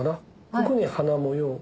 ここに花模様を。